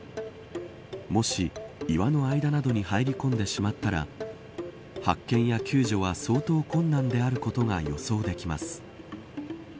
もし岩の間などに入り込んでしまったら発見や救助は、相当困難であることが予想できます。